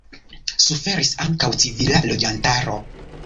Suferis ankaŭ civila loĝantaro.